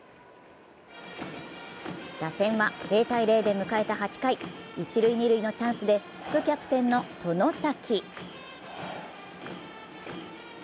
打線は０−０で迎えた８回、一・二塁のチャンスで副キャプテンの外崎。